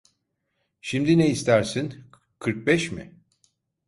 Şimdi ne istersin? Kırk beş mi?